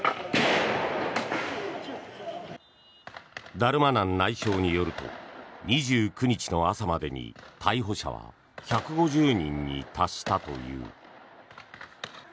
ダルマナン内相によると２９日の朝までに逮捕者は１５０人に達したという。